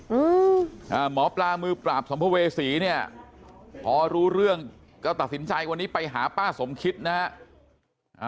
อืมอ่าหมอปลามือปราบสัมภเวษีเนี่ยพอรู้เรื่องก็ตัดสินใจวันนี้ไปหาป้าสมคิดนะฮะ